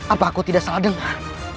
apa aku tidak salah dengar